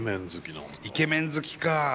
イケメン好きか。